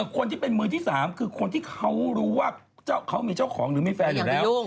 คนที่เป็นมือที่๓คือคนที่เขารู้ว่าเขามีเจ้าของหรือมีแฟนอยู่แล้ว